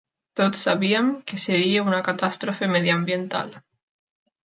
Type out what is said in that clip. Tots sabíem que seria una catàstrofe mediambiental.